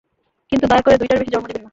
কিন্তু দয়াকরে, দুইটার বেশি জন্ম দিবেন না।